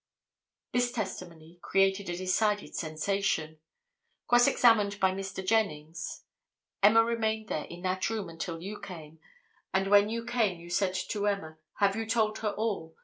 This testimony created a decided sensation. Cross examined by Mr. Jennings—"Emma remained there in that room until you came, and when you came you said to Emma, 'Have you told her all?